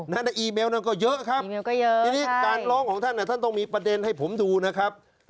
ในอีเมลนั้นก็เยอะครับทีนี้การร้องของท่านท่านต้องมีประเด็นให้ผมดูนะครับ